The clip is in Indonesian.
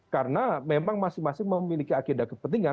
karena memang masing masing memiliki agenda kepentingan